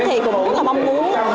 thì cũng rất là mong muốn